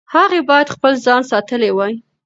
هغې باید خپل ځان ساتلی وای.